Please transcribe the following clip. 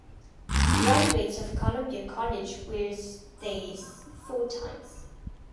Graduates of Columbia College wear theirs four times.